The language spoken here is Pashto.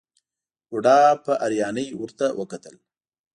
بوډا په حيرانۍ ورته وکتل.